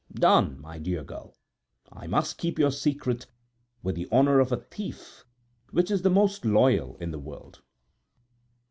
"Done! my dear girl, I must keep your secret with the honor of a thief, which is the most loyal in the world."